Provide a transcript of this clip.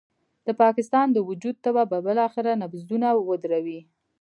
د پاکستان د وجود تبه به بالاخره نبضونه ودروي.